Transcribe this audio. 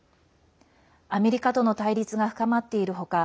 アメリカとの対立が深まっている他